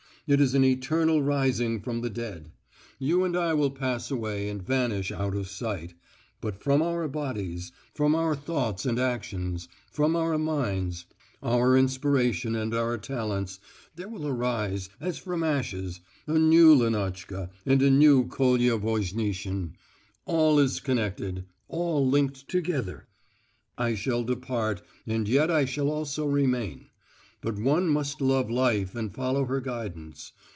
It is an eternal rising from the dead. You and I will pass away and vanish out of sight, but from our bodies, from our thoughts and actions, from our minds, our inspiration and our talents, there will arise, as from our ashes, a new Lenotchka and a new Kolya Voznitsin. All is connected, all linked together. I shall depart and yet I shall also remain. But one must love Life and follow her guidance.